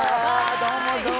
どうもどうも。